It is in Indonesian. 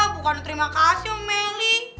bukan terima kasih melly